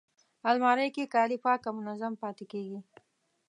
الماري کې کالي پاک او منظم پاتې کېږي